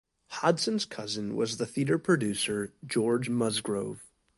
Hodson's cousin was the theatre producer George Musgrove.